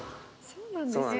そうなんですよ。